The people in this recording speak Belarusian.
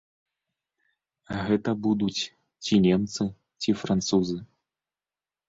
Гэта будуць, ці немцы, ці французы.